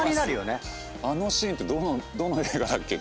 あのシーンってどの映画だっけ？